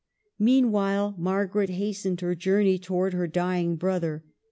Meanwhile Margaret hastened her journey to wards her dying brother.